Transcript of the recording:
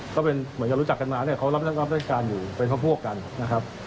ก็เป็นเหมือนกับรู้จักกันมาเนี่ยเขารับราชการอยู่เป็นพวกกันนะครับ